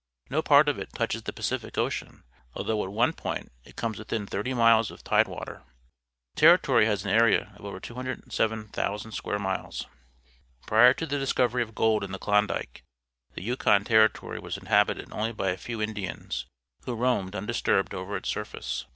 No part of it touches the Pacific Hydraulic Mining, Yixkon Territory Ocean, althougli at one point it comes vrithin thirty miles of tidewater. The Territory has an area of over 207,000 square miles. Prior to the discovery of gold in the Klon dike, the Yukon Territory was inhabited only by a few Indians, who roamed undisturbed over its surface.